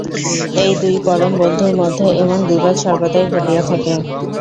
এই দুই পরম বন্ধুর মধ্যে এমন বিবাদ সর্বদাই ঘটিয়া থাকে।